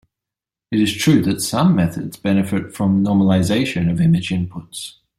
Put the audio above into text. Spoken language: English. It is true that some methods benefit from normalization of image inputs.